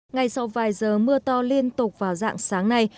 ngay sau vài giờ mưa to liên tục vào dạng sáng nay